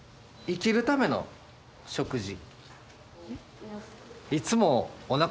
生きるための食事。